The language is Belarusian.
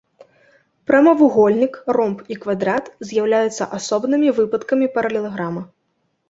Прамавугольнік, ромб і квадрат з'яўляюцца асобнымі выпадкамі паралелаграма.